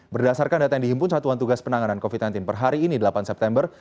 berdasarkan data yang dihimpun satuan tugas penanganan covid sembilan belas per hari ini delapan september